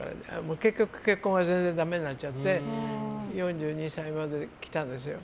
結局、結婚は全然だめになっちゃって４２歳まで来たんですよ。